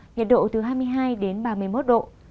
nhiệt độ từ hai mươi hai đến ba mươi một độ